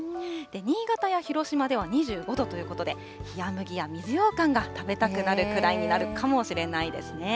新潟や広島では２５度ということで、冷や麦や水ようかんが食べたくなるくらいになるかもしれないですね。